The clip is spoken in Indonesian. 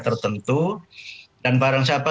tertentu dan barang siapa